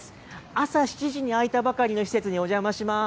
朝７時に開いたばかりの施設にお邪魔します。